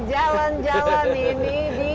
jalan jalan ini di